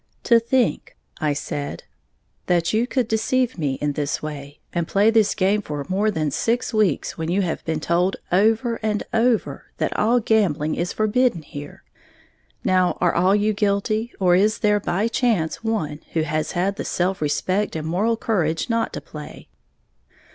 "To think," I said, "that you could deceive me in this way, and play this game for more than six weeks when you have been told over and over that all gambling is forbidden here! Now, are you all guilty, or is there by chance one who has had the self respect and moral courage not to play?"